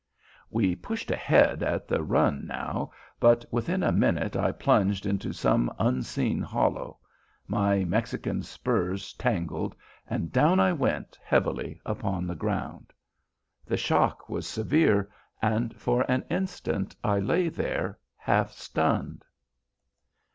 We pushed ahead at the run now, but within a minute I plunged into some unseen hollow; my Mexican spurs tangled, and down I went heavily upon the ground. The shock was severe, and for an instant I lay there half stunned.